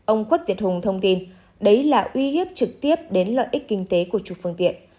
ông khuất việt hùng thông tin đấy là uy hiếp trực tiếp đến lợi ích kinh tế của chủ phương tiện